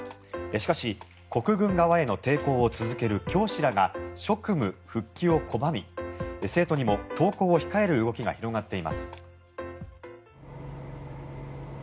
しかし、国軍側への抵抗を続ける教師らが職務復帰を拒み生徒にも登校を控える動きが広がっています。